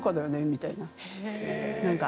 みたいな。